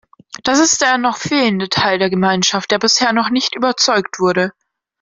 Das ist der noch fehlende Teil der Gemeinschaft, der bisher noch nicht überzeugt wurde.